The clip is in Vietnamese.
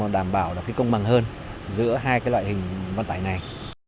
đảm bảo là cái công bằng hơn giữa hai cái loại hình vận tải này